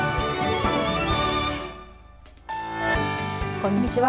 こんにちは。